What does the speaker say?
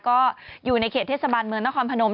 ก็อยู่ในเขตเทศบาลเมืองนครพนม